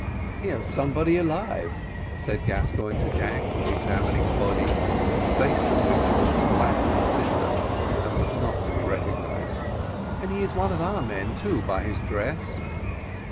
"Here's somebody alive," said Gascoigne to Jack, examining a body, the face of which was black as a cinder and not to be recognised, "and he is one of our men too, by his dress."